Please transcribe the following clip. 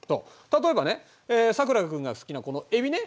例えばねさくら君が好きなこのエビね。